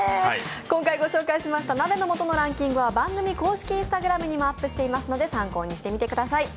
今回ご紹介しました鍋の素ランキングは番組公式Ｉｎｓｔａｇｒａｍにもアップしていますので、参考にしてみてください。